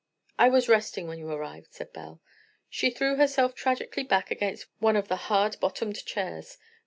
"I was resting when you arrived," said Belle. She threw herself tragically back against one of the hard bottomed chairs.